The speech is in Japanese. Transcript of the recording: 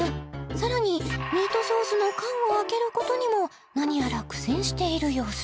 さらにミートソースの缶を開けることにもなにやら苦戦している様子